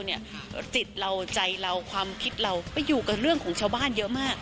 จิตเราใจเราความคิดเราไปอยู่กับเรื่องของชาวบ้านเยอะมาก